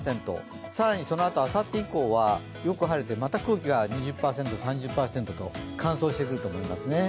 更にそのあとあさって以降はよく晴れて、また空気が２０％、３０％と乾燥してくると思います。